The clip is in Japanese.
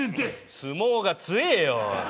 相撲が強いよ。